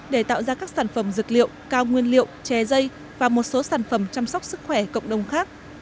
để tạo ra các sản phẩm dược liệu cao nguyên liệu chè dây và một số sản phẩm chăm sóc sức khỏe cộng đồng khác